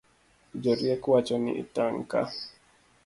Jorieko wacho ni tang' ka